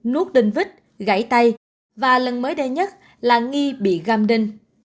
núp đinh vít gãy tay và lần mới đây nhất là nghi bị gam đinh